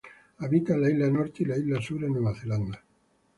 Habita en la Isla Norte y la Isla Sur en Nueva Zelanda.